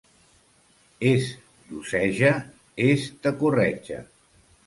És d'Oceja, és de corretja.